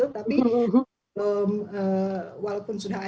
tapi walaupun sudah ada